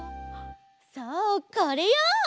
そうこれよ！